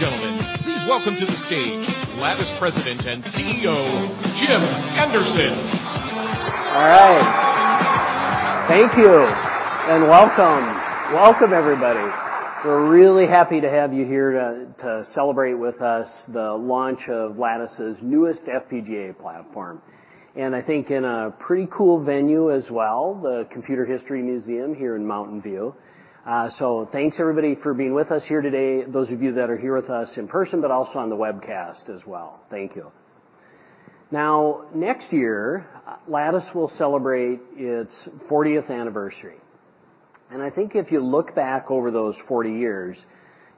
Ladies and gentlemen, please welcome to the stage Lattice President and CEO, Jim Anderson. All right. Thank you and welcome. Welcome, everybody. We're really happy to have you here to celebrate with us the launch of Lattice's newest FPGA platform. I think in a pretty cool venue as well, the Computer History Museum here in Mountain View. Thanks everybody for being with us here today, those of you that are here with us in person, but also on the webcast as well. Thank you. Now, next year, Lattice will celebrate its fortieth anniversary. I think if you look back over those 40 years,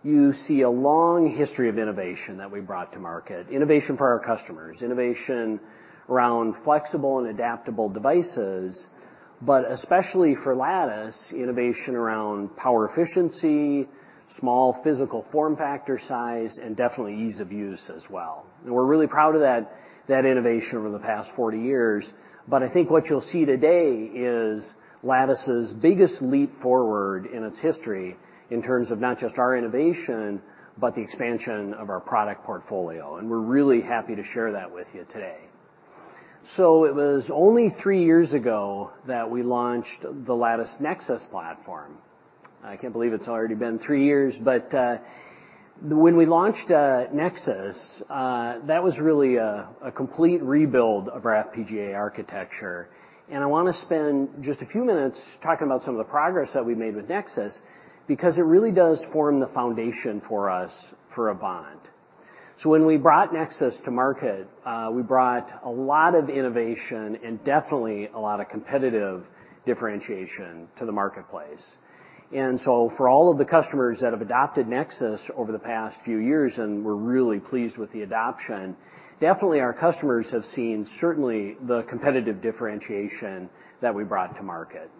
you see a long history of innovation that we brought to market, innovation for our customers, innovation around flexible and adaptable devices. Especially for Lattice, innovation around power efficiency, small physical form factor size, and definitely ease of use as well. We're really proud of that innovation over the past 40 years. I think what you'll see today is Lattice's biggest leap forward in its history in terms of not just our innovation, but the expansion of our product portfolio. We're really happy to share that with you today. It was only 3 years ago that we launched the Lattice Nexus platform. I can't believe it's already been 3 years, when we launched Nexus, that was really a complete rebuild of our FPGA architecture. I wanna spend just a few minutes talking about some of the progress that we made with Nexus because it really does form the foundation for us for Avant. When we brought Nexus to market, we brought a lot of innovation and definitely a lot of competitive differentiation to the marketplace. For all of the customers that have adopted Nexus over the past few years, and we're really pleased with the adoption, definitely our customers have seen certainly the competitive differentiation that we brought to market.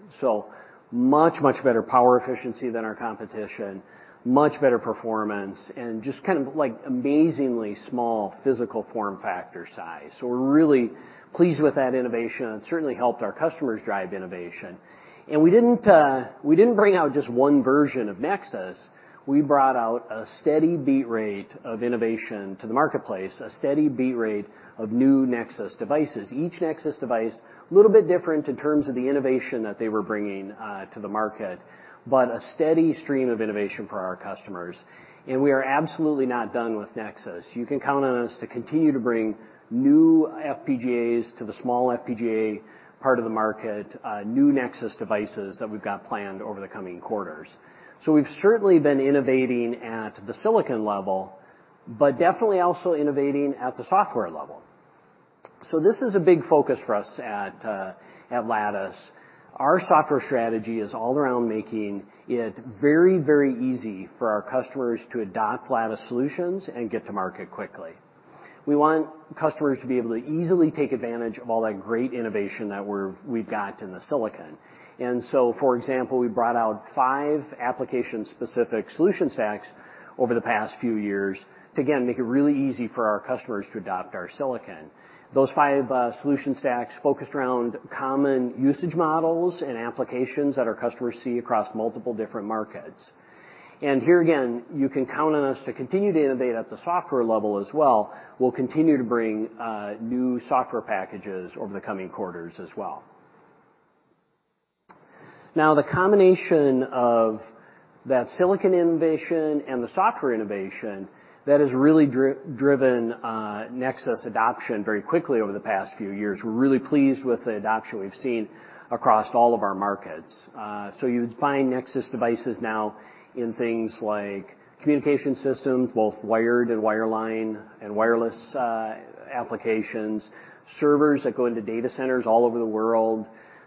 Much, much better power efficiency than our competition, much better performance, and just kind of like amazingly small physical form factor size. We're really pleased with that innovation. It certainly helped our customers drive innovation. We didn't, we didn't bring out just one version of Nexus, we brought out a steady beat rate of innovation to the marketplace, a steady beat rate of new Nexus devices. Each Nexus device, a little bit different in terms of the innovation that they were bringing to the market, but a steady stream of innovation for our customers. We are absolutely not done with Nexus. You can count on us to continue to bring new FPGAs to the small FPGA part of the market, new Nexus devices that we've got planned over the coming quarters. We've certainly been innovating at the silicon level, but definitely also innovating at the software level. This is a big focus for us at Lattice. Our software strategy is all around making it very, very easy for our customers to adopt Lattice solutions and get to market quickly. We want customers to be able to easily take advantage of all that great innovation that we've got in the silicon. For example, we brought out five application-specific solution stacks over the past few years to again, make it really easy for our customers to adopt our silicon. Those 5 solution stacks focused around common usage models and applications that our customers see across multiple different markets. Here again, you can count on us to continue to innovate at the software level as well. We'll continue to bring new software packages over the coming quarters as well. Now, the combination of that silicon innovation and the software innovation, that has really driven Nexus adoption very quickly over the past few years. We're really pleased with the adoption we've seen across all of our markets. You'd find Nexus devices now in things like communication systems, both wired and wireline, and wireless applications, servers that go into data centers all over the world,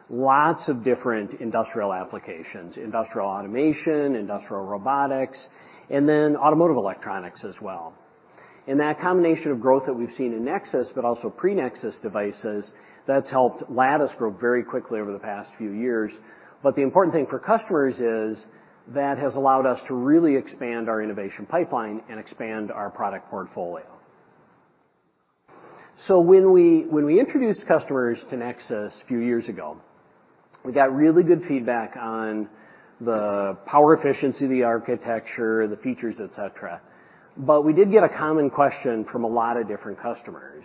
lots of different industrial applications, industrial automation, industrial robotics, and then automotive electronics as well. That combination of growth that we've seen in Nexus, but also pre-Nexus devices, that's helped Lattice grow very quickly over the past few years. The important thing for customers is that has allowed us to really expand our innovation pipeline and expand our product portfolio. When we introduced customers to Nexus a few years ago, we got really good feedback on the power efficiency, the architecture, the features, et cetera. We did get a common question from a lot of different customers.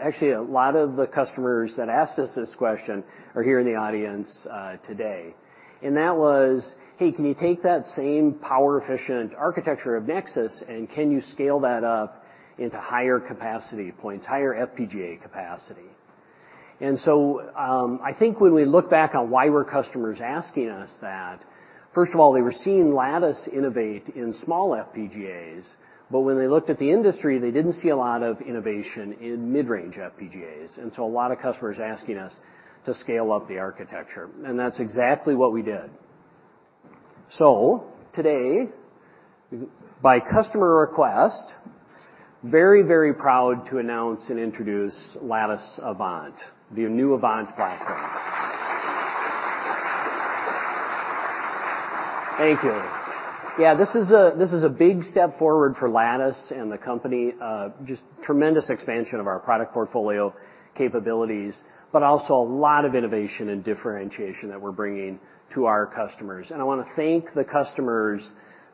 Actually, a lot of the customers that asked us this question are here in the audience today. That was, "Hey, can you take that same power efficient architecture of Nexus and can you scale that up into higher capacity points, higher FPGA capacity?" I think when we look back on why were customers asking us that, first of all, they were seeing Lattice innovate in small FPGAs, but when they looked at the industry, they didn't see a lot of innovation in mid-range FPGAs. A lot of customers asking us to scale up the architecture, and that's exactly what we did. Today, by customer request, very, very proud to announce and introduce Lattice Avant, the new Avant platform. Thank you. Yeah, this is a big step forward for Lattice and the company. Just tremendous expansion of our product portfolio capabilities, but also a lot of innovation and differentiation that we're bringing to our customers. I wanna thank the customers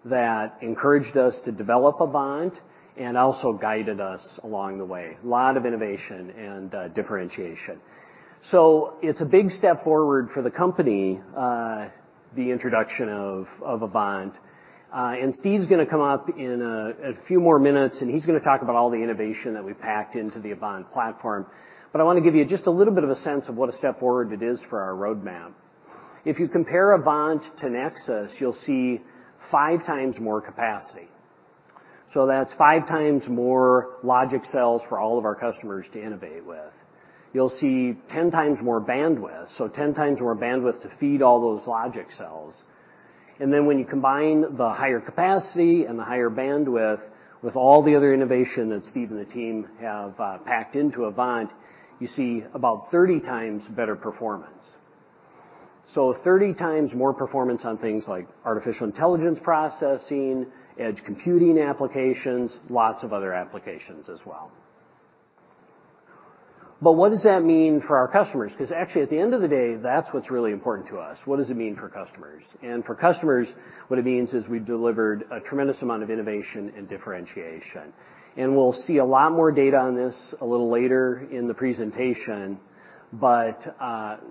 that encouraged us to develop Avant and also guided us along the way. Lot of innovation and differentiation. It's a big step forward for the company, the introduction of Avant. Steve's gonna come up in a few more minutes, and he's gonna talk about all the innovation that we packed into the Lattice Avant platform. I wanna give you just a little bit of a sense of what a step forward it is for our roadmap. If you compare Avant to Nexus, you'll see five times more capacity. That's five times more logic cells for all of our customers to innovate with. You'll see 10 times more bandwidth, so 10 times more bandwidth to feed all those logic cells. When you combine the higher capacity and the higher bandwidth with all the other innovation that Steve and the team have packed into Avant, you see about 30 times better performance. 30 times more performance on things like artificial intelligence processing, edge computing applications, lots of other applications as well. What does that mean for our customers? 'Cause actually, at the end of the day, that's what's really important to us. What does it mean for customers? For customers, what it means is we've delivered a tremendous amount of innovation and differentiation. We'll see a lot more data on this a little later in the presentation, but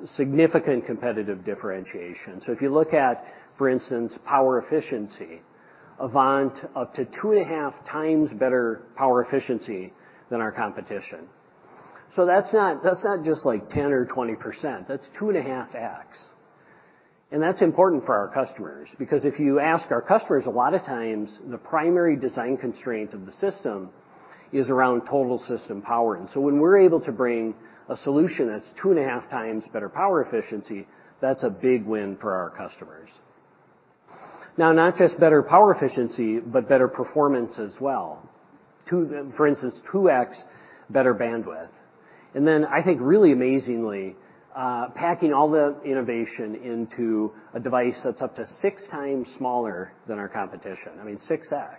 significant competitive differentiation. If you look at, for instance, power efficiency, Avant up to two and a half times better power efficiency than our competition. That's not, that's not just like 10% or 20%, that's 2.5x. That's important for our customers because if you ask our customers, a lot of times the primary design constraint of the system is around total system power. When we're able to bring a solution that's 2.5 times better power efficiency, that's a big win for our customers. Now, not just better power efficiency, but better performance as well. For instance, 2x better bandwidth. Then I think really amazingly, packing all the innovation into a device that's up to 6 times smaller than our competition. I mean, 6x.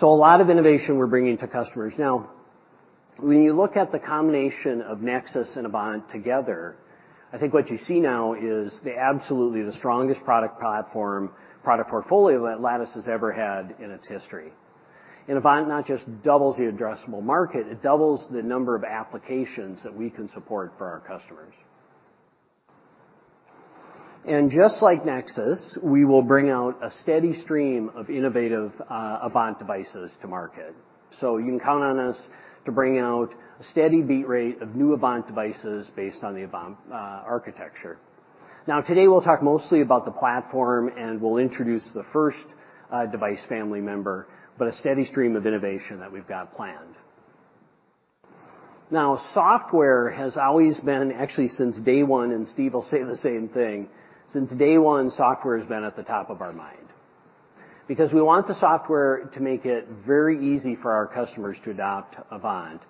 A lot of innovation we're bringing to customers. When you look at the combination of Nexus and Avant together, I think what you see now is the absolutely the strongest product platform, product portfolio that Lattice has ever had in its history. Avant not just doubles the addressable market, it doubles the number of applications that we can support for our customers. Just like Nexus, we will bring out a steady stream of innovative Avant devices to market. You can count on us to bring out a steady beat rate of new Avant devices based on the Avant architecture. Today, we'll talk mostly about the platform, and we'll introduce the first device family member, but a steady stream of innovation that we've got planned. Software has always been, actually since day one, and Steve will say the same thing, since day one, software has been at the top of our mind. We want the software to make it very easy for our customers to adopt Avant.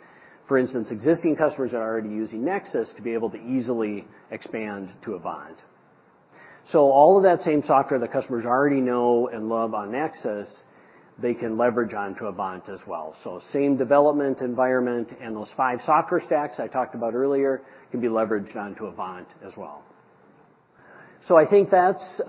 Existing customers that are already using Nexus to be able to easily expand to Avant. All of that same software that customers already know and love on Nexus, they can leverage onto Avant as well. Same development environment and those five software stacks I talked about earlier can be leveraged onto Avant as well. I think that's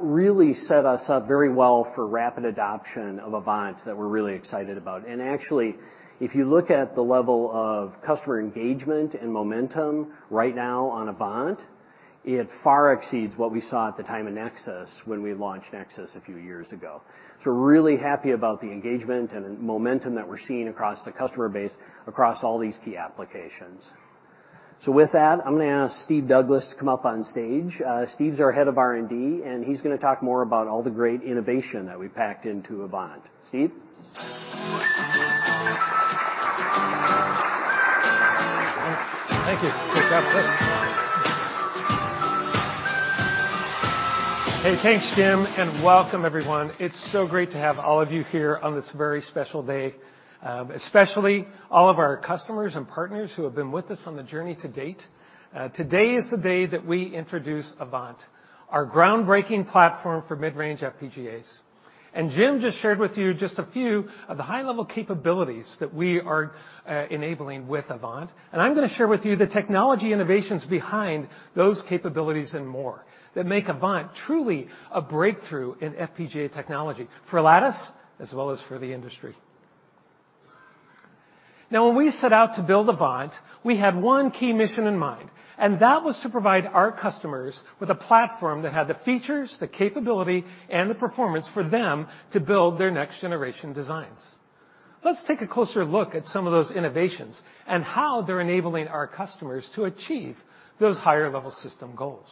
really set us up very well for rapid adoption of Avant that we're really excited about. Actually, if you look at the level of customer engagement and momentum right now on Avant, it far exceeds what we saw at the time of Nexus when we launched Nexus a few years ago. We're really happy about the engagement and momentum that we're seeing across the customer base across all these key applications. With that, I'm gonna ask Steve Douglass to come up on stage. Steve's our head of R&D, and he's gonna talk more about all the great innovation that we packed into Avant. Steve? Thank you. Good job. Hey, thanks, Jim, and welcome everyone. It's so great to have all of you here on this very special day, especially all of our customers and partners who have been with us on the journey to date. Today is the day that we introduce Avant, our groundbreaking platform for mid-range FPGAs. Jim just shared with you just a few of the high-level capabilities that we are enabling with Avant, and I'm gonna share with you the technology innovations behind those capabilities and more that make Avant truly a breakthrough in FPGA technology for Lattice as well as for the industry. When we set out to build Avant, we had one key mission in mind, and that was to provide our customers with a platform that had the features, the capability, and the performance for them to build their next generation designs. Let's take a closer look at some of those innovations and how they're enabling our customers to achieve those higher level system goals.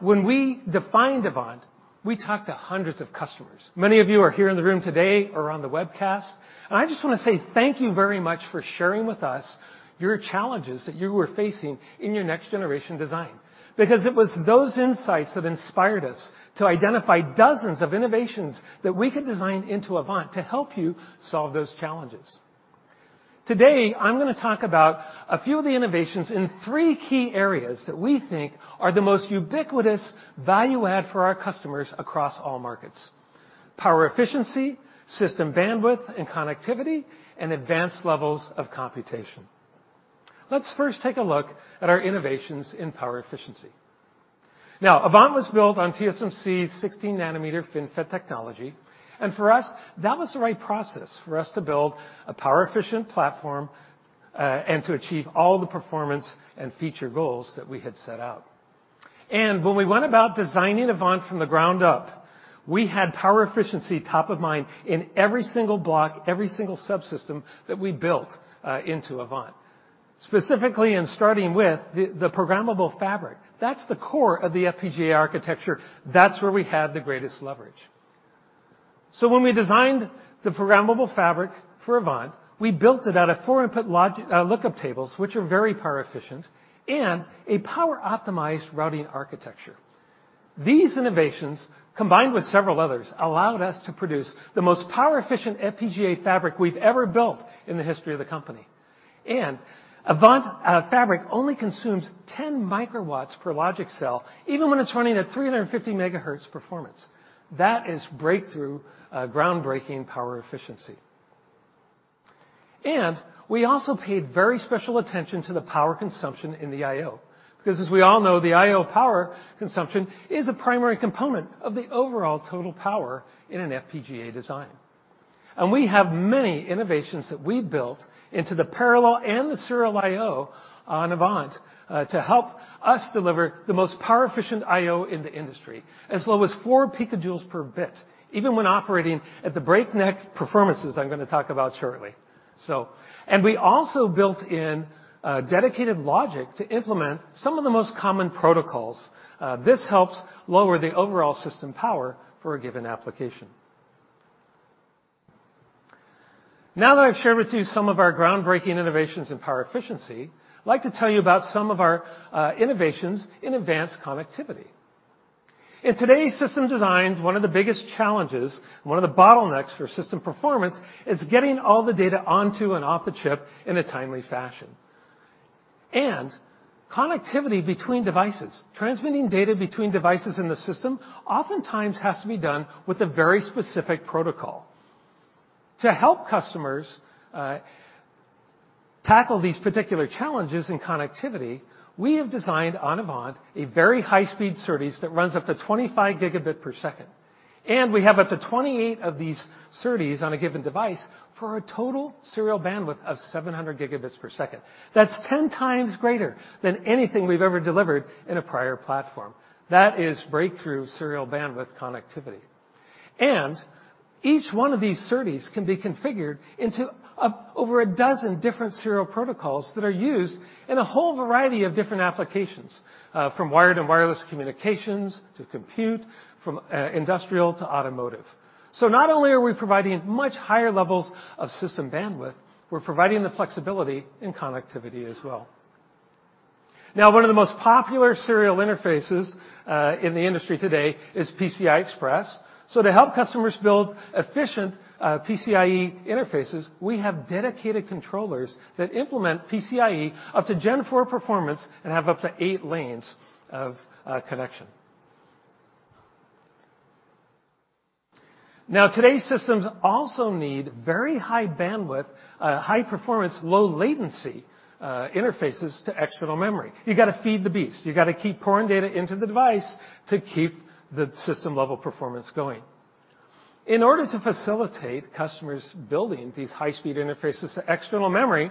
When we defined Avant, we talked to hundreds of customers. Many of you are here in the room today or on the webcast, I just wanna say thank you very much for sharing with us your challenges that you were facing in your next generation design. It was those insights that inspired us to identify dozens of innovations that we could design into Avant to help you solve those challenges. Today, I'm gonna talk about a few of the innovations in three key areas that we think are the most ubiquitous value add for our customers across all markets: power efficiency, system bandwidth and connectivity, and advanced levels of computation. Let's first take a look at our innovations in power efficiency. Avant was built on TSMC's 16 nanometer FinFET technology, and for us, that was the right process for us to build a power-efficient platform, and to achieve all the performance and feature goals that we had set out. When we went about designing Avant from the ground up, we had power efficiency top of mind in every single block, every single subsystem that we built into Avant, specifically in starting with the programmable fabric. That's the core of the FPGA architecture. That's where we had the greatest leverage. When we designed the programmable fabric for Avant, we built it out of 4-input logic, lookup tables, which are very power efficient, and a power-optimized routing architecture. These innovations, combined with several others, allowed us to produce the most power-efficient FPGA fabric we've ever built in the history of the company. Avant fabric only consumes 10 microwatts per logic cell, even when it's running at 350 megahertz performance. That is breakthrough, groundbreaking power efficiency. We also paid very special attention to the power consumption in the I/O, because as we all know, the I/O power consumption is a primary component of the overall total power in an FPGA design. We have many innovations that we built into the parallel and the serial I/O on Avant to help us deliver the most power efficient I/O in the industry, as low as 4 picojoules per bit, even when operating at the breakneck performances I'm gonna talk about shortly. We also built in dedicated logic to implement some of the most common protocols. This helps lower the overall system power for a given application. Now that I've shared with you some of our groundbreaking innovations in power efficiency, I'd like to tell you about some of our innovations in advanced connectivity. In today's system design, one of the biggest challenges, one of the bottlenecks for system performance is getting all the data onto and off the chip in a timely fashion. Connectivity between devices. Transmitting data between devices in the system oftentimes has to be done with a very specific protocol. To help customers tackle these particular challenges in connectivity, we have designed on Avant a very high-speed SerDes that runs up to 25 Gbps, and we have up to 28 of these SerDes on a given device for a total serial bandwidth of 700 Gbps. That's 10 times greater than anything we've ever delivered in a prior platform. That is breakthrough serial bandwidth connectivity. Each one of these SerDes can be configured into over 12 different serial protocols that are used in a whole variety of different applications, from wired and wireless communications to compute, from industrial to automotive. Not only are we providing much higher levels of system bandwidth, we're providing the flexibility in connectivity as well. One of the most popular serial interfaces in the industry today is PCI Express. To help customers build efficient PCIe interfaces, we have dedicated controllers that implement PCIe up to Gen 4 performance and have up to eight lanes of connection. Today's systems also need very high bandwidth, high performance, low latency interfaces to external memory. You gotta feed the beast. You gotta keep pouring data into the device to keep the system-level performance going. In order to facilitate customers building these high-speed interfaces to external memory,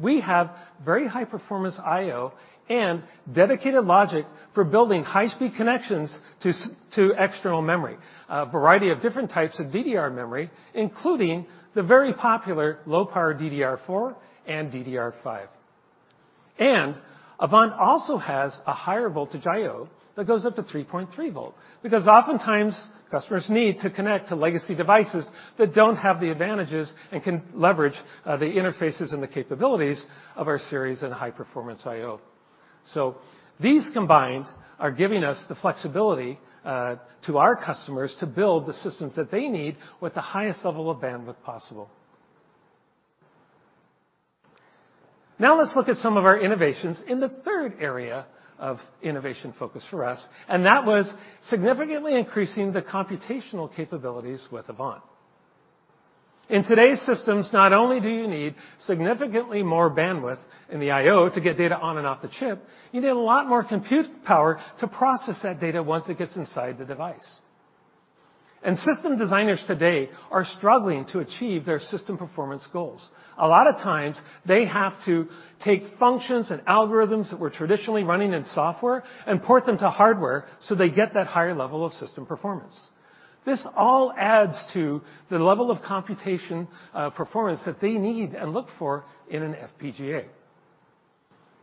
we have very high-performance I/O and dedicated logic for building high-speed connections to external memory, a variety of different types of DDR memory, including the very popular low-power DDR4 and DDR5. Avant also has a higher voltage I/O that goes up to 3.3 volt because oftentimes customers need to connect to legacy devices that don't have the advantages and can leverage the interfaces and the capabilities of our SerDes and high-performance I/O. These combined are giving us the flexibility to our customers to build the systems that they need with the highest level of bandwidth possible. Let's look at some of our innovations in the third area of innovation focus for us, and that was significantly increasing the computational capabilities with Avant. In today's systems, not only do you need significantly more bandwidth in the I/O to get data on and off the chip, you need a lot more compute power to process that data once it gets inside the device. System designers today are struggling to achieve their system performance goals. A lot of times, they have to take functions and algorithms that were traditionally running in software and port them to hardware so they get that higher level of system performance. This all adds to the level of computation, performance that they need and look for in an FPGA.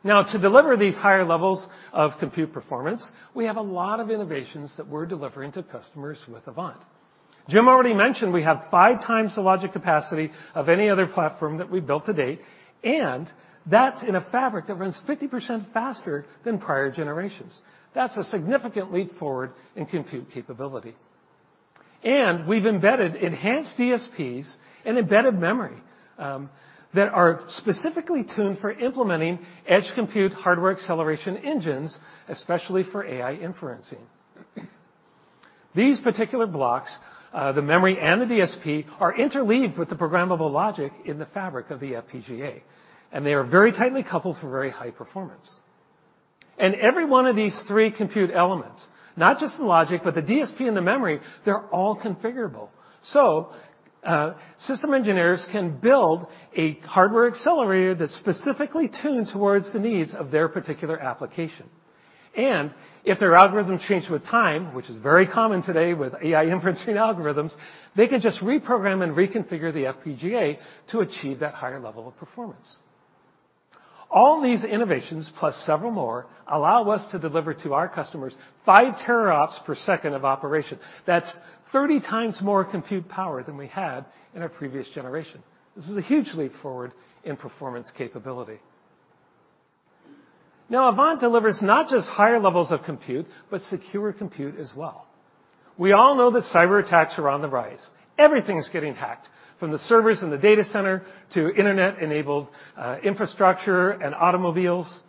To deliver these higher levels of compute performance, we have a lot of innovations that we're delivering to customers with Avant. Jim already mentioned we have 5 times the logic capacity of any other platform that we've built to date. That's in a fabric that runs 50% faster than prior generations. That's a significant leap forward in compute capability. We've embedded enhanced DSPs and embedded memory that are specifically tuned for implementing edge compute hardware acceleration engines, especially for AI inferencing. These particular blocks, the memory and the DSP, are interleaved with the programmable logic in the fabric of the FPGA. They are very tightly coupled for very high performance. Every one of these 3 compute elements, not just the logic, but the DSP and the memory, they're all configurable. System engineers can build a hardware accelerator that's specifically tuned towards the needs of their particular application. If their algorithm change with time, which is very common today with AI inferencing algorithms, they can just reprogram and reconfigure the FPGA to achieve that higher level of performance. All these innovations, plus several more, allow us to deliver to our customers 5 teraops per second of operation. That's 30 times more compute power than we had in our previous generation. This is a huge leap forward in performance capability. Now, Avant delivers not just higher levels of compute, but secure compute as well. We all know that cyber attacks are on the rise. Everything's getting hacked, from the servers in the data center to internet-enabled infrastructure and automobiles.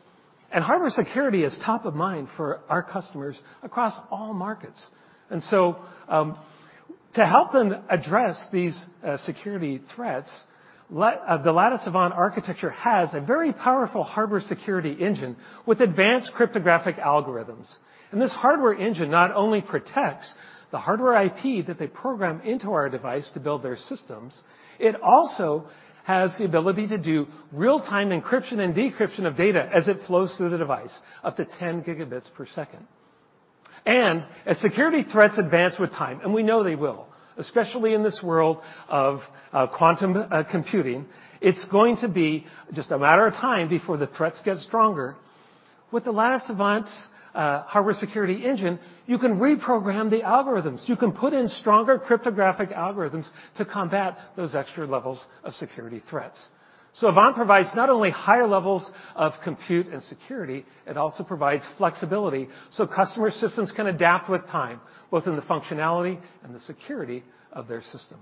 Hardware security is top of mind for our customers across all markets. To help them address these security threats, the Lattice Avant architecture has a very powerful hardware security engine with advanced cryptographic algorithms. This hardware engine not only protects the hardware IP that they program into our device to build their systems, it also has the ability to do real-time encryption and decryption of data as it flows through the device, up to 10 gigabits per second. As security threats advance with time, and we know they will, especially in this world of quantum computing, it's going to be just a matter of time before the threats get stronger. With the Lattice Avant's hardware security engine, you can reprogram the algorithms. You can put in stronger cryptographic algorithms to combat those extra levels of security threats. Avant provides not only higher levels of compute and security, it also provides flexibility, so customer systems can adapt with time, both in the functionality and the security of their system.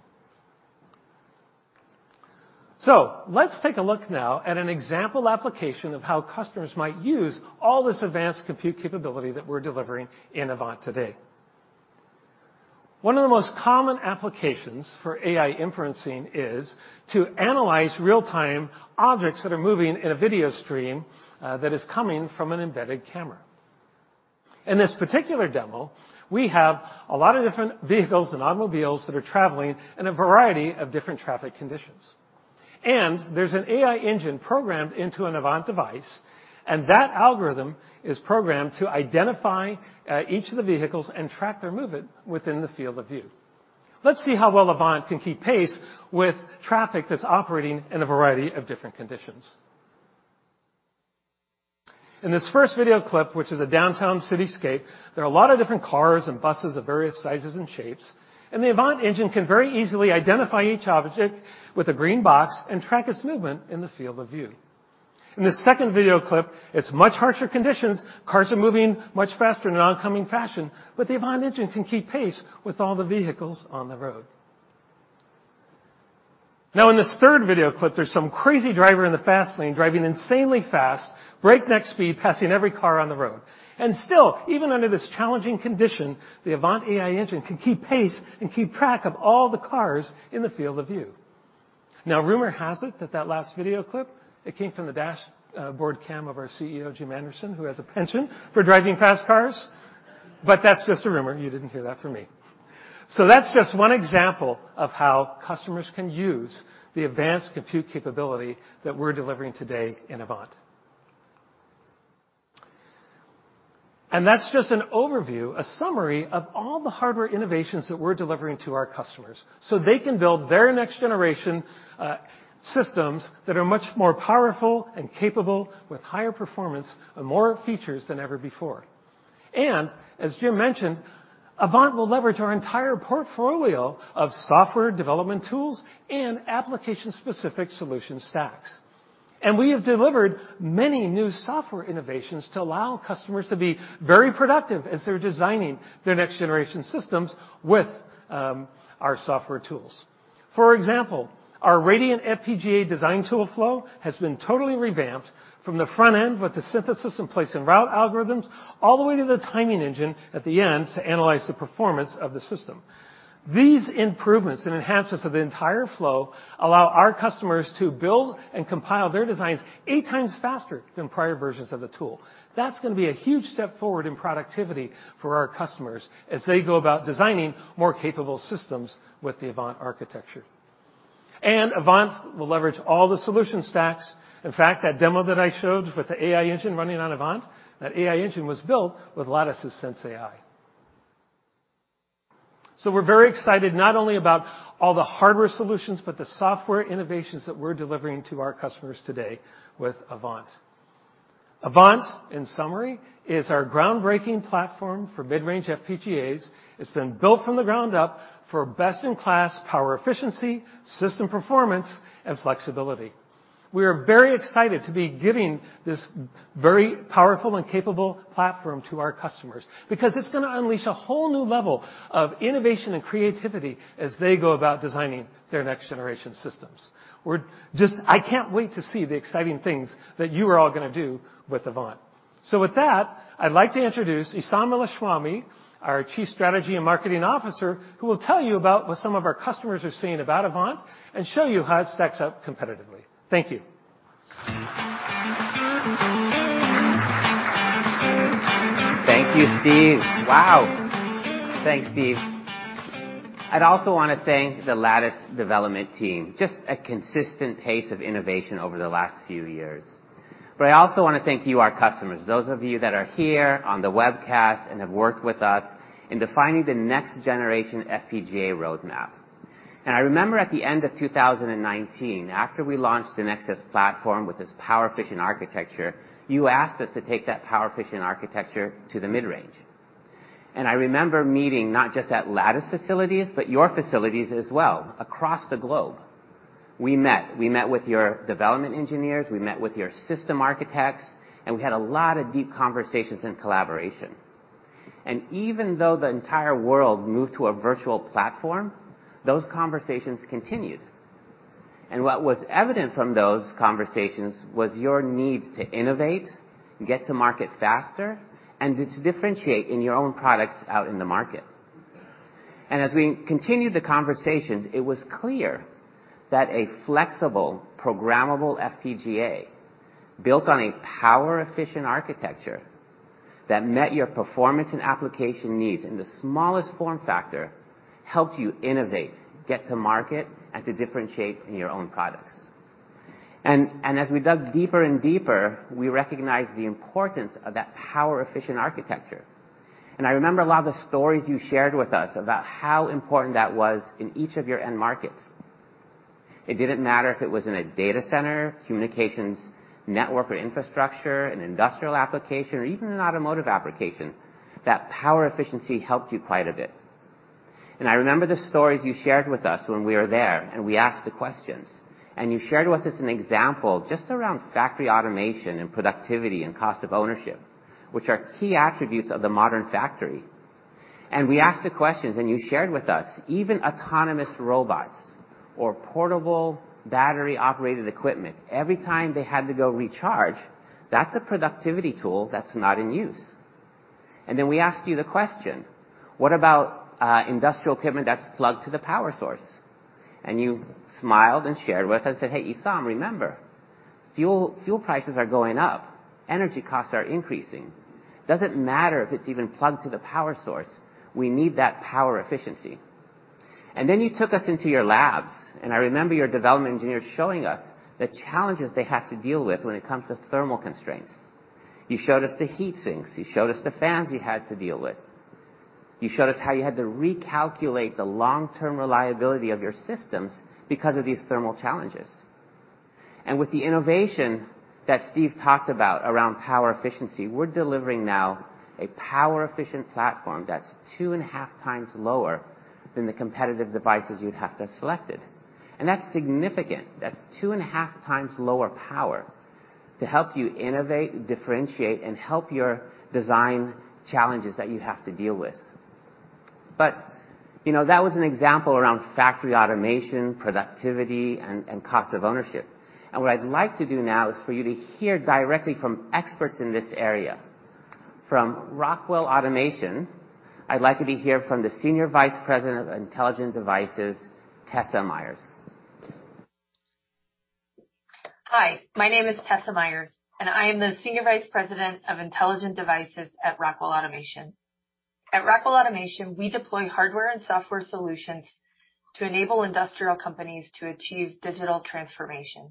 Let's take a look now at an example application of how customers might use all this advanced compute capability that we're delivering in Avant today. One of the most common applications for AI inferencing is to analyze real-time objects that are moving in a video stream that is coming from an embedded camera. In this particular demo, we have a lot of different vehicles and automobiles that are traveling in a variety of different traffic conditions. There's an AI engine programmed into an Avant device, and that algorithm is programmed to identify each of the vehicles and track their movement within the field of view. Let's see how well Avant can keep pace with traffic that's operating in a variety of different conditions. In this first video clip, which is a downtown cityscape, there are a lot of different cars and buses of various sizes and shapes, the Avant engine can very easily identify each object with a green box and track its movement in the field of view. In the second video clip, it's much harsher conditions. Cars are moving much faster in an oncoming fashion, the Avant engine can keep pace with all the vehicles on the road. In this third video clip, there's some crazy driver in the fast lane driving insanely fast, breakneck speed, passing every car on the road. Still, even under this challenging condition, the Avant AI engine can keep pace and keep track of all the cars in the field of view. Rumor has it that that last video clip, it came from the dash board cam of our CEO, Jim Anderson, who has a penchant for driving fast cars. That's just a rumor. You didn't hear that from me. That's just one example of how customers can use the advanced compute capability that we're delivering today in Avant. That's just an overview, a summary of all the hardware innovations that we're delivering to our customers, so they can build their next generation systems that are much more powerful and capable with higher performance and more features than ever before. As Jim mentioned, Avant will leverage our entire portfolio of software development tools and application-specific solution stacks. We have delivered many new software innovations to allow customers to be very productive as they're designing their next-generation systems with our software tools. For example, our Radiant FPGA design tool flow has been totally revamped from the front end with the synthesis and place and route algorithms all the way to the timing engine at the end to analyze the performance of the system. These improvements and enhancements of the entire flow allow our customers to build and compile their designs 8 times faster than prior versions of the tool. That's gonna be a huge step forward in productivity for our customers as they go about designing more capable systems with the Avant architecture. Avant will leverage all the solution stacks. In fact, that demo that I showed with the AI engine running on Avant, that AI engine was built with Lattice's senseAI. We're very excited not only about all the hardware solutions, but the software innovations that we're delivering to our customers today with Avant. Avant, in summary, is our groundbreaking platform for mid-range FPGAs. It's been built from the ground up for best-in-class power efficiency, system performance, and flexibility. We are very excited to be giving this very powerful and capable platform to our customers, because it's gonna unleash a whole new level of innovation and creativity as they go about designing their next generation systems. I can't wait to see the exciting things that you are all gonna do with Avant. With that, I'd like to introduce Esam Elashmawi, our Chief Strategy and Marketing Officer, who will tell you about what some of our customers are saying about Avant and show you how it stacks up competitively. Thank you. Thank you, Steve. Wow. Thanks, Steve. I'd also wanna thank the Lattice development team. Just a consistent pace of innovation over the last few years. I also wanna thank you, our customers, those of you that are here on the webcast and have worked with us in defining the next generation FPGA roadmap. I remember at the end of 2019, after we launched the Nexus platform with its power-efficient architecture, you asked us to take that power-efficient architecture to the mid-range. I remember meeting not just at Lattice facilities, but your facilities as well across the globe. We met with your development engineers, we met with your system architects, and we had a lot of deep conversations and collaboration. Even though the entire world moved to a virtual platform, those conversations continued. What was evident from those conversations was your need to innovate, get to market faster, and to differentiate in your own products out in the market. As we continued the conversations, it was clear that a flexible programmable FPGA, built on a power-efficient architecture that met your performance and application needs in the smallest form factor, helped you innovate, get to market, and to differentiate in your own products. As we dug deeper and deeper, we recognized the importance of that power-efficient architecture. I remember a lot of the stories you shared with us about how important that was in each of your end markets. It didn't matter if it was in a data center, communications network or infrastructure, an industrial application, or even an automotive application, that power efficiency helped you quite a bit. I remember the stories you shared with us when we were there, we asked the questions, and you shared with us an example just around factory automation and productivity and cost of ownership, which are key attributes of the modern factory. We asked the questions, and you shared with us even autonomous robots or portable battery-operated equipment. Every time they had to go recharge, that's a productivity tool that's not in use. We asked you the question, "What about industrial equipment that's plugged to the power source?" You smiled and shared with us and said, "Hey, Essam, remember, fuel prices are going up. Energy costs are increasing. Doesn't matter if it's even plugged to the power source, we need that power efficiency. You took us into your labs, and I remember your development engineers showing us the challenges they have to deal with when it comes to thermal constraints. You showed us the heat sinks. You showed us the fans you had to deal with. You showed us how you had to recalculate the long-term reliability of your systems because of these thermal challenges. With the innovation that Steve talked about around power efficiency, we're delivering now a power-efficient platform that's 2.5 times lower than the competitive devices you'd have to selected. That's significant. That's 2.5 times lower power to help you innovate, differentiate, and help your design challenges that you have to deal with. You know, that was an example around factory automation, productivity, and cost of ownership. What I'd like to do now is for you to hear directly from experts in this area. From Rockwell Automation, I'd like to be hear from the Senior Vice President of Intelligent Devices, Tessa Myers. Hi, my name is Tessa Myers, and I am the Senior Vice President of Intelligent Devices at Rockwell Automation. At Rockwell Automation, we deploy hardware and software solutions to enable industrial companies to achieve digital transformation.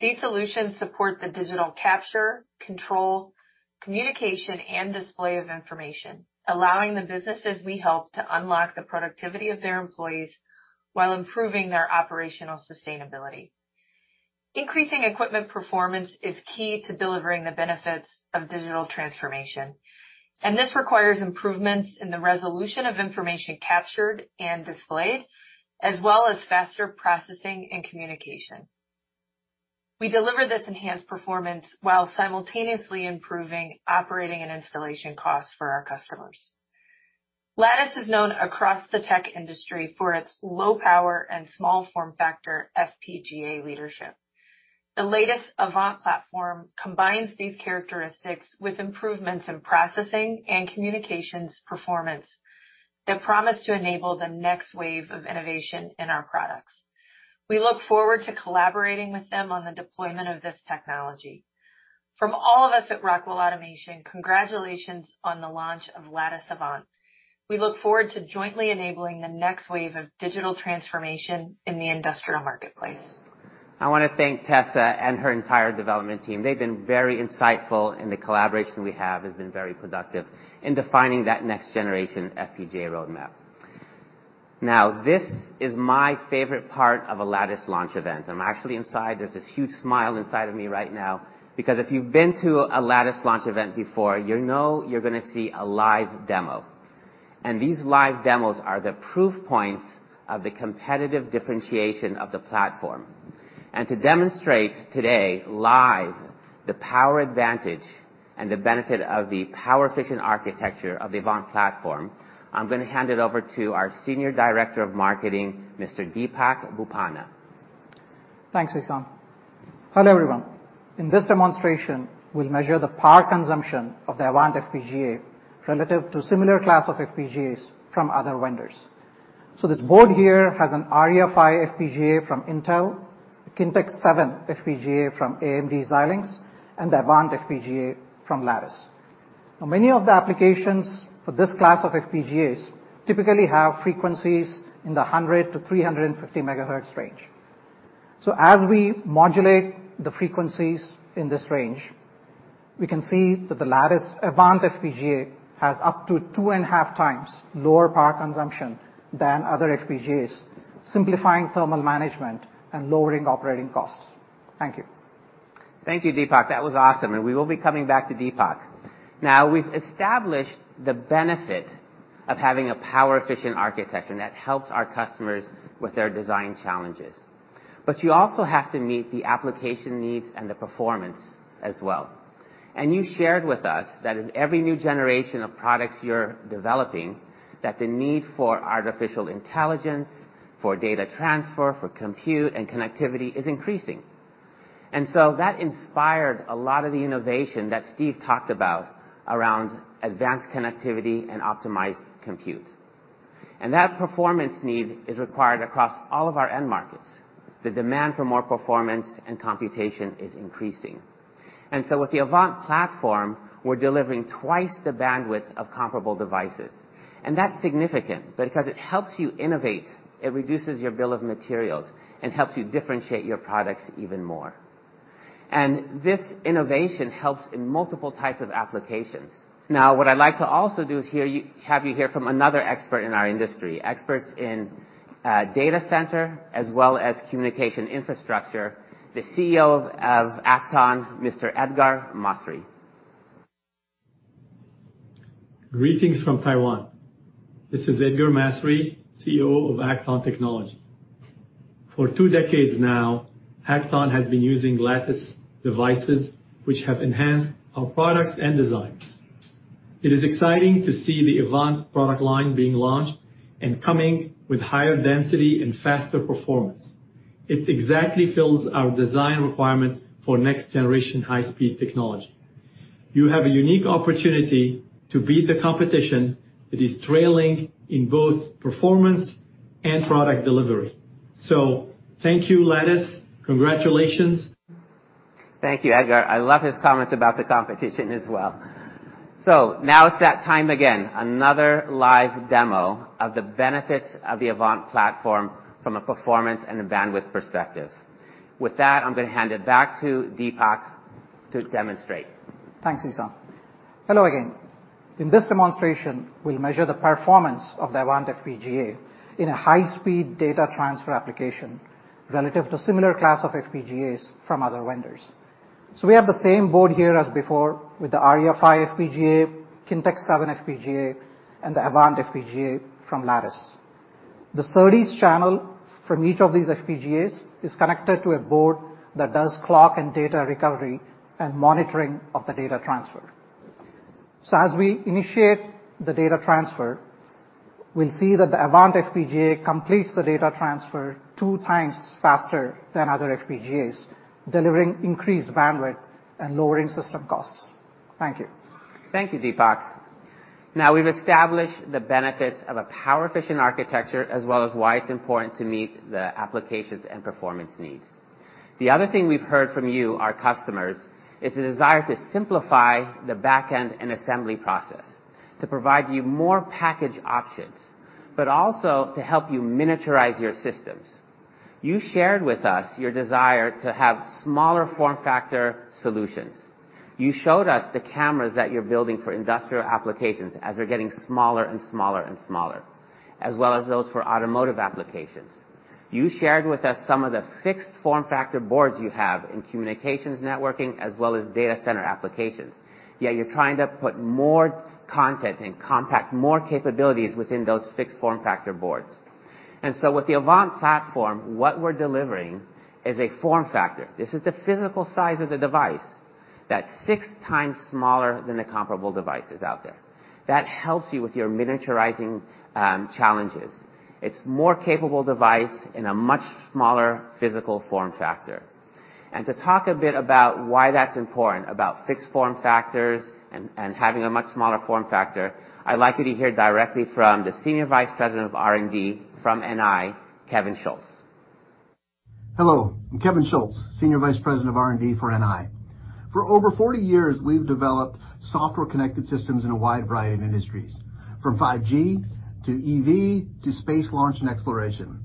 These solutions support the digital capture, control, communication, and display of information, allowing the businesses we help to unlock the productivity of their employees while improving their operational sustainability. Increasing equipment performance is key to delivering the benefits of digital transformation. This requires improvements in the resolution of information captured and displayed, as well as faster processing and communication. We deliver this enhanced performance while simultaneously improving operating and installation costs for our customers. Lattice is known across the tech industry for its low power and small form factor FPGA leadership. The latest Avant platform combines these characteristics with improvements in processing and communications performance that promise to enable the next wave of innovation in our products. We look forward to collaborating with them on the deployment of this technology. From all of us at Rockwell Automation, congratulations on the launch of Lattice Avant. We look forward to jointly enabling the next wave of digital transformation in the industrial marketplace. I wanna thank Tessa and her entire development team. They've been very insightful, the collaboration we have has been very productive in defining that next-generation FPGA roadmap. Now, this is my favorite part of a Lattice launch event. I'm actually inside, there's this huge smile inside of me right now, because if you've been to a Lattice launch event before, you know you're gonna see a live demo. These live demos are the proof points of the competitive differentiation of the platform. To demonstrate today live the power advantage and the benefit of the power-efficient architecture of the Avant platform, I'm gonna hand it over to our Senior Director of Marketing, Mr. Deepak Boppana. Thanks, Essam. Hello, everyone. In this demonstration, we'll measure the power consumption of the Avant FPGA relative to similar class of FPGAs from other vendors. This board here has an Arria V FPGA from Intel, a Kintex-7 FPGA from AMD Xilinx, and the Avant FPGA from Lattice. Many of the applications for this class of FPGAs typically have frequencies in the 100 to 350 megahertz range. As we modulate the frequencies in this range, we can see that the Lattice Avant FPGA has up to two and a half times lower power consumption than other FPGAs, simplifying thermal management and lowering operating costs. Thank you. Thank you, Deepak. That was awesome. We will be coming back to Deepak. Now, we've established the benefit of having a power-efficient architecture. That helps our customers with their design challenges. You also have to meet the application needs and the performance as well. You shared with us that in every new generation of products you're developing, that the need for artificial intelligence, for data transfer, for compute and connectivity is increasing. That inspired a lot of the innovation that Steve talked about around advanced connectivity and optimized compute. That performance need is required across all of our end markets. The demand for more performance and computation is increasing. With the Avant platform, we're delivering twice the bandwidth of comparable devices. That's significant because it helps you innovate, it reduces your bill of materials, and helps you differentiate your products even more. This innovation helps in multiple types of applications. What I'd like to also do is have you hear from another expert in our industry, experts in data center as well as communication infrastructure, the CEO of Accton, Mr. Edgar Masri. Greetings from Taiwan. This is Edgar Masri, CEO of Accton Technology. For two decades now, Accton has been using Lattice devices, which have enhanced our products and designs. It is exciting to see the Avant product line being launched and coming with higher density and faster performance. It exactly fills our design requirement for next generation high-speed technology. Thank you, Lattice. Congratulations. Thank you, Edgar. I love his comments about the competition as well. Now it's that time again, another live demo of the benefits of the Avant platform from a performance and a bandwidth perspective. With that, I'm gonna hand it back to Deepak to demonstrate. Thanks, Essam. Hello again. In this demonstration, we'll measure the performance of the Avant FPGA in a high-speed data transfer application relative to similar class of FPGAs from other vendors. We have the same board here as before with the Arria V FPGA, Kintex-7 FPGA, and the Avant FPGA from Lattice. The SerDes channel from each of these FPGAs is connected to a board that does clock and data recovery and monitoring of the data transfer. As we initiate the data transfer, we'll see that the Avant FPGA completes the data transfer 2 times faster than other FPGAs, delivering increased bandwidth and lowering system costs. Thank you. Thank you, Deepak. We've established the benefits of a power-efficient architecture, as well as why it's important to meet the applications and performance needs. The other thing we've heard from you, our customers, is the desire to simplify the back-end and assembly process to provide you more package options, but also to help you miniaturize your systems. You shared with us your desire to have smaller form factor solutions. You showed us the cameras that you're building for industrial applications as they're getting smaller and smaller and smaller, as well as those for automotive applications. You shared with us some of the fixed form factor boards you have in communications networking, as well as data center applications, yet you're trying to put more content and compact more capabilities within those fixed form factor boards. With the Avant platform, what we're delivering is a form factor. This is the physical size of the device that's 6 times smaller than the comparable devices out there. That helps you with your miniaturizing challenges. It's more capable device in a much smaller physical form factor. To talk a bit about why that's important about fixed form factors and having a much smaller form factor, I'd like you to hear directly from the Senior Vice President of R&D from NI, Kevin Schultz. Hello, I'm Kevin Schultz, Senior Vice President of R&D for NI. For over 40 years, we've developed software-connected systems in a wide variety of industries, from 5G to EV to space launch and exploration.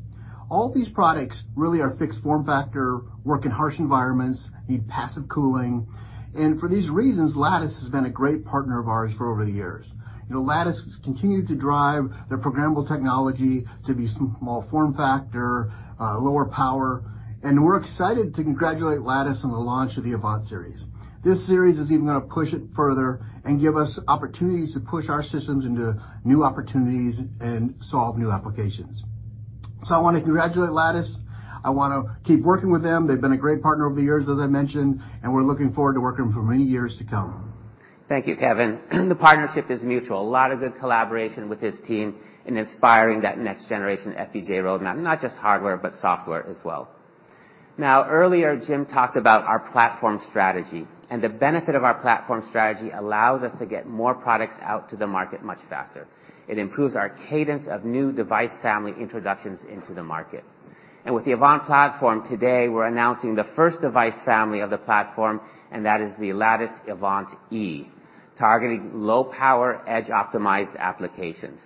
All these products really are fixed form factor, work in harsh environments, need passive cooling. For these reasons, Lattice has been a great partner of ours for over the years. You know, Lattice has continued to drive their programmable technology to be small form factor, lower power, and we're excited to congratulate Lattice on the launch of the Avant series. This series is even gonna push it further and give us opportunities to push our systems into new opportunities and solve new applications. I want to congratulate Lattice. I want to keep working with them. They've been a great partner over the years, as I mentioned, and we're looking forward to working with them for many years to come. Thank you, Kevin. The partnership is mutual. A lot of good collaboration with this team in inspiring that next generation FPGA roadmap, not just hardware, but software as well. Earlier, Jim talked about our platform strategy, the benefit of our platform strategy allows us to get more products out to the market much faster. It improves our cadence of new device family introductions into the market. With the Avant platform today, we're announcing the first device family of the platform, that is the Lattice Avant-E, targeting low-power edge-optimized applications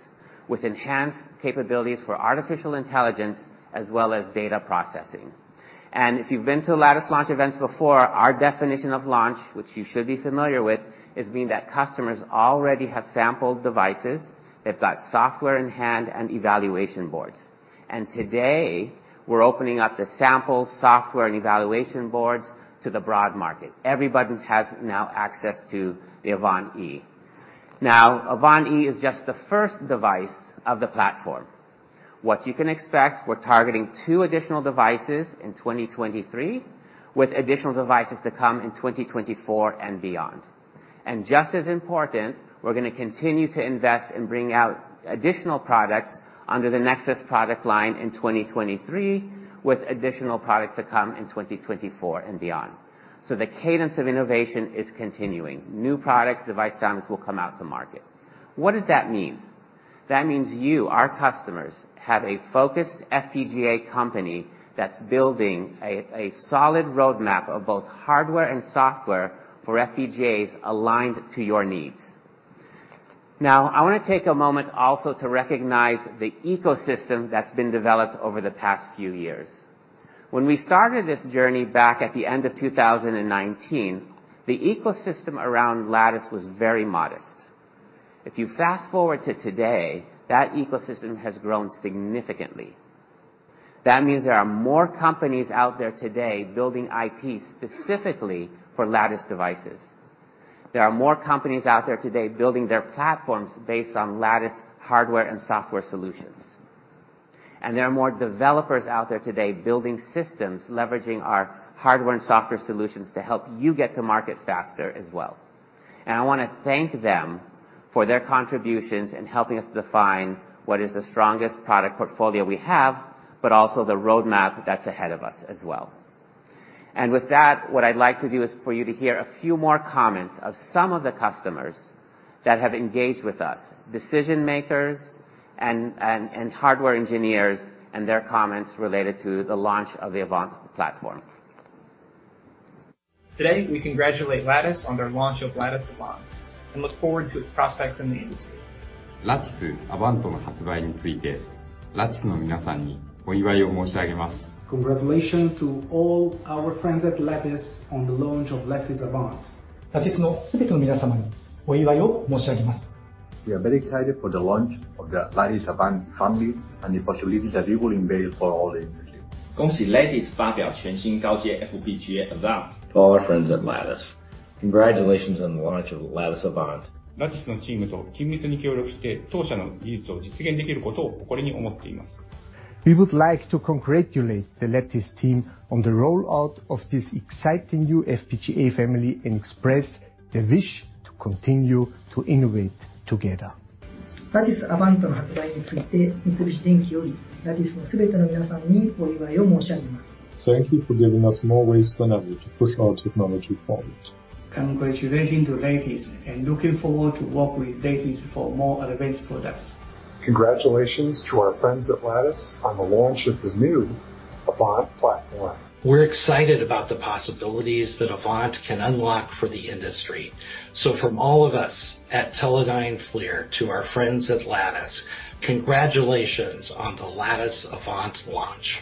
with enhanced capabilities for artificial intelligence as well as data processing. If you've been to Lattice launch events before, our definition of launch, which you should be familiar with, is meaning that customers already have sampled devices. They've got software in hand and evaluation boards. Today, we're opening up the sample software and evaluation boards to the broad market. Everybody has now access to the Avant-E. Avant-E is just the first device of the platform. We're targeting two additional devices in 2023, with additional devices to come in 2024 and beyond. Just as important, we're gonna continue to invest in bringing out additional products under the Nexus product line in 2023, with additional products to come in 2024 and beyond. The cadence of innovation is continuing. New products, device families will come out to market. What does that mean? That means you, our customers, have a focused FPGA company that's building a solid roadmap of both hardware and software for FPGAs aligned to your needs. I want to take a moment also to recognize the ecosystem that's been developed over the past few years. When we started this journey back at the end of 2019, the ecosystem around Lattice was very modest. If you fast-forward to today, that ecosystem has grown significantly. That means there are more companies out there today building IP specifically for Lattice devices. There are more companies out there today building their platforms based on Lattice hardware and software solutions. There are more developers out there today building systems leveraging our hardware and software solutions to help you get to market faster as well. I want to thank them for their contributions in helping us define what is the strongest product portfolio we have, but also the roadmap that's ahead of us as well. With that, what I'd like to do is for you to hear a few more comments of some of the customers that have engaged with us, decision-makers and, and hardware engineers and their comments related to the launch of the Avant platform. Today, we congratulate Lattice on their launch of Lattice Avant and look forward to its prospects in the industry. Congratulations to all our friends at Lattice on the launch of Lattice Avant. We are very excited for the launch of the Lattice Avant family and the possibilities that it will unveil for all the industry. To all our friends at Lattice, congratulations on the launch of Lattice Avant. We would like to congratulate the Lattice team on the rollout of this exciting new FPGA family and express the wish to continue to innovate together. Thank you for giving us more ways than ever to push our technology forward. Congratulations to Lattice, looking forward to work with Lattice for more advanced products. Congratulations to our friends at Lattice on the launch of the new Avant platform. We're excited about the possibilities that Avant can unlock for the industry. From all of us at Teledyne FLIR to our friends at Lattice, congratulations on the Lattice Avant launch.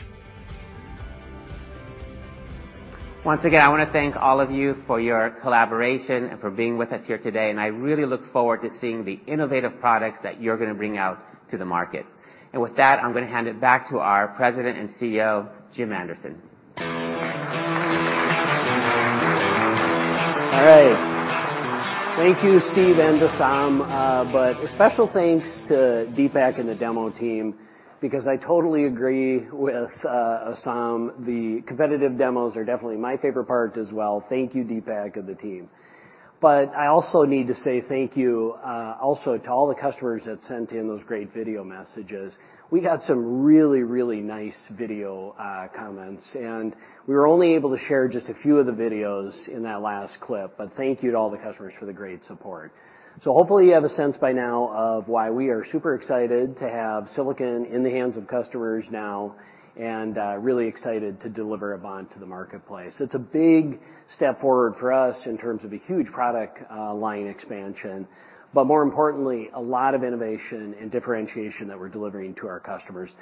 Once again, I want to thank all of you for your collaboration and for being with us here today, and I really look forward to seeing the innovative products that you're going to bring out to the market. With that, I'm going to hand it back to our President and CEO, Jim Anderson. All right. Thank you, Steve and Esam, a special thanks to Deepak and the demo team because I totally agree with Esam. The competitive demos are definitely my favorite part as well. Thank you, Deepak and the team. I also need to say thank you also to all the customers that sent in those great video messages. We got some really, really nice video comments, and we were only able to share just a few of the videos in that last clip. Thank you to all the customers for the great support. Hopefully you have a sense by now of why we are super excited to have Silicon in the hands of customers now, and really excited to deliver Avant to the marketplace. It's a big step forward for us in terms of a huge product, line expansion, but more importantly, a lot of innovation and differentiation that we're delivering to our customers.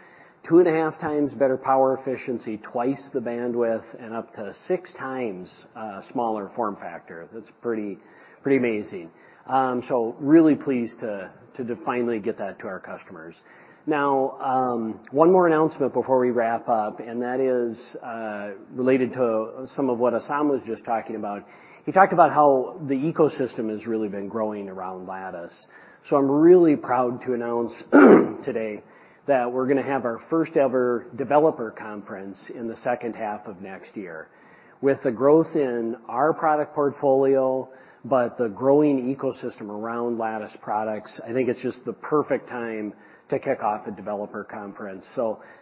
2.5 times better power efficiency, 2 times the bandwidth, and up to 6 times smaller form factor. That's pretty amazing. Really pleased to finally get that to our customers. Now, 1 more announcement before we wrap up, and that is related to some of what Esam was just talking about. He talked about how the ecosystem has really been growing around Lattice. I'm really proud to announce today that we're gonna have our first-ever developer conference in the second half of next year. With the growth in our product portfolio, but the growing ecosystem around Lattice products, I think it's just the perfect time to kick off a developer conference.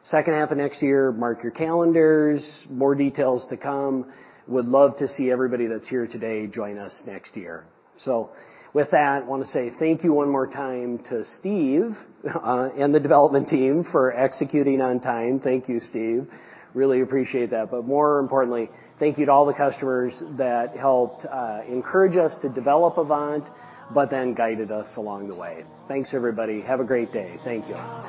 Second half of next year, mark your calendars. More details to come. Would love to see everybody that's here today join us next year. With that, want to say thank you one more time to Steve and the development team for executing on time. Thank you, Steve. Really appreciate that. More importantly, thank you to all the customers that helped encourage us to develop Avant, but then guided us along the way. Thanks, everybody. Have a great day. Thank you.